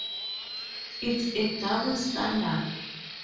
It's a double standard.